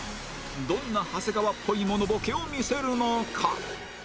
どんな長谷川っぽいモノボケを見せるのか？